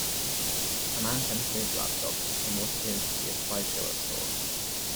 A man tends to his laptop in what appears to be a slideshow of sorts.